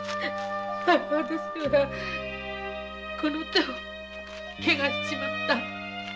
この手を汚しちまった。